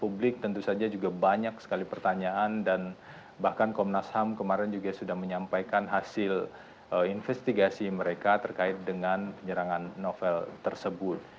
publik tentu saja juga banyak sekali pertanyaan dan bahkan komnas ham kemarin juga sudah menyampaikan hasil investigasi mereka terkait dengan penyerangan novel tersebut